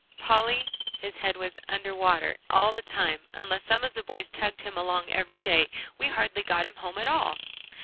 Polly, his head was under water all the time, unless some of the boys tugged him along every day. We hardly got him home at all."